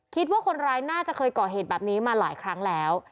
คิดว่าคนร้ายน่าจะเคยก่อเหตุแบบนี้มาหลายครั้งแล้ว